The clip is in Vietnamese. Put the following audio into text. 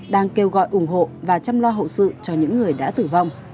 đang kêu gọi ủng hộ và chăm lo hậu sự cho những người đã tử vong